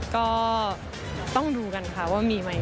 ก็ต้องดูกันค่ะว่ามีไหม